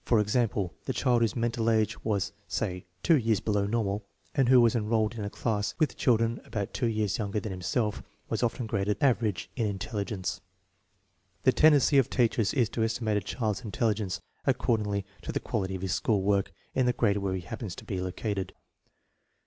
For example, the child whose mental age was, say, two years below normal, and who was enrolled in a class with children about two years younger than himself, was often graded " average " in intelligence. The tendency of teachers is to estimate a child's intelli gence according to the quality of his school work in the grade where he happens to be located.